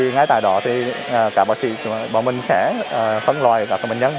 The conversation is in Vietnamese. ngay tại đó thì cả bác sĩ bọn mình sẽ phân loại các bệnh nhân